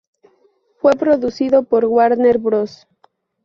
Fue producido por Warner Bros.